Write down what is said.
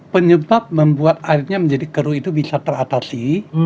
penyebab membuat airnya menjadi keruh itu bisa teratasi